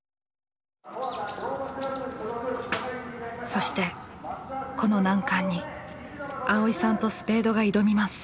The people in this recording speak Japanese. そしてこの難関に蒼依さんとスペードが挑みます。